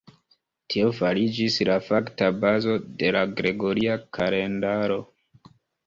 Tio fariĝis la fakta bazo de la gregoria kalendaro.